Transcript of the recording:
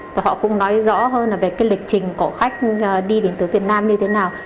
và họ cũng nói rõ hơn về lịch trình của khách đi đến từ việt nam như thế nào